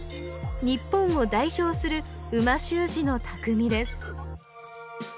日本を代表する美味しゅう字のたくみです